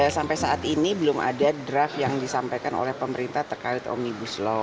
sampai saat ini belum ada draft yang disampaikan oleh pemerintah terkait omnibus law